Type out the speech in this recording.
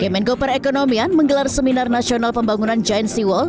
kemenggoper ekonomian menggelar seminar nasional pembangunan giant sea wall